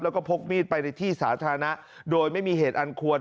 แล้วก็พกมีดไปในที่สาธารณะโดยไม่มีเหตุอันควร